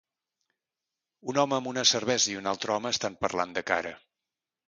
Un home amb una cervesa i un altre home estan parlant de cara.